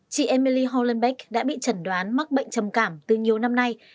chị emily hollenbeck đã bị chẩn đoán mắc bệnh trầm cảm từ nhiều năm nay